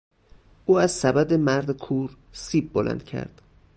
او از سبد مرد کور، سیب بلند کرد.